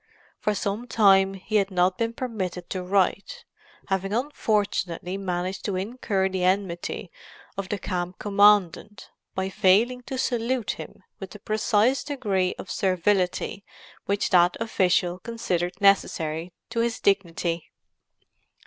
For some time he had not been permitted to write, having unfortunately managed to incur the enmity of the camp commandant by failing to salute him with the precise degree of servility which that official considered necessary to his dignity.